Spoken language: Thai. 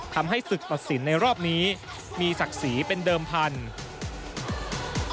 ทำให้ศึกตัดสินในรอบนี้มีศักดิ์ศรีเป็นเดิมพันธุ์